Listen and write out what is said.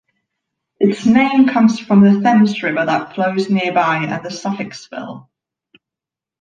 Its name comes from the Thames River that flows nearby and the suffix -ville.